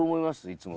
いつも。